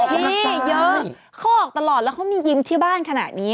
พี่เยอะเขาออกตลอดแล้วเขามียิงที่บ้านขนาดนี้